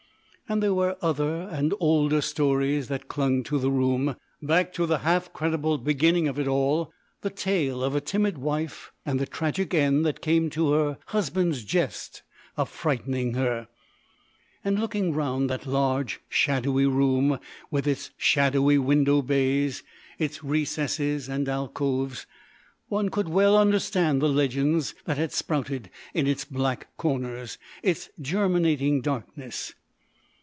And there were other and older stories that clung to the room, back to the half credible beginning of it all, the tale of a timid wife and the tragic end that came to her husband's jest of frightening her. And looking around that large shadowy room, with its shadowy window bays, its recesses and alcoves, one could well understand the legends that had sprouted in its black corners, its germinating darkness.